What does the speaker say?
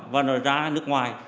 và nó ra nước ngoài